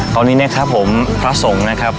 ตอนนี้นะครับผมพระสงฆ์นะครับ